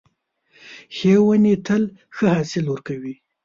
ښې ونې تل ښه حاصل ورکوي .